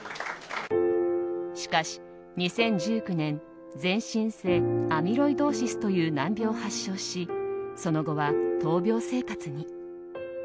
しかし２０１９年全身性アミロイドーシスという難病を発症しその後は闘病生活に。